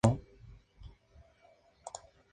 Anteriormente ejerció como alcalde de Biskek.